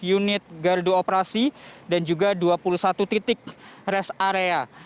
dua puluh unit gardu operasi dan juga dua puluh satu titik rest area